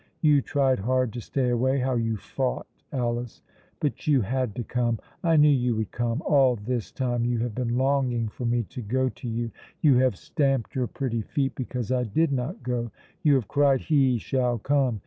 You tried hard to stay away. How you fought, Alice! but you had to come. I knew you would come. All this time you have been longing for me to go to you. You have stamped your pretty feet because I did not go. You have cried, 'He shall come!'